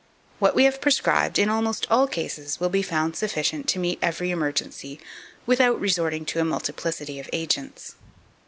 What we have prescribed, in almost all cases, will be found sufficient to meet every emergency, without resorting to a multiplicity of agents.